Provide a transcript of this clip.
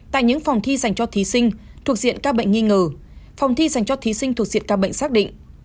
tại những phòng thi dành cho thí sinh thuộc diện ca bệnh nghi ngờ phòng thi dành cho thí sinh thuộc diện ca bệnh xác định